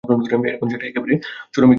এখন সেটা একেবারে চরমে গিয়ে উঠল।